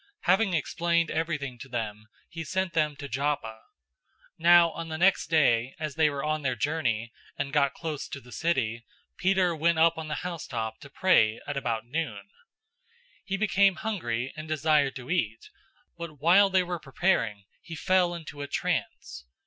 010:008 Having explained everything to them, he sent them to Joppa. 010:009 Now on the next day as they were on their journey, and got close to the city, Peter went up on the housetop to pray at about noon. 010:010 He became hungry and desired to eat, but while they were preparing, he fell into a trance.